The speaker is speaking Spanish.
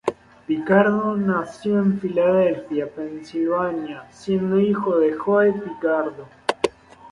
Picardo nació en Filadelfia, Pensilvania, siendo hijo de Joe Picardo.